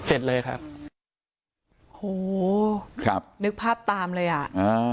เสร็จเลยครับโหครับนึกภาพตามเลยอ่ะอ่า